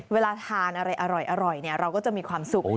เวลาทานอะไรอร่อยเราก็จะมีความสุข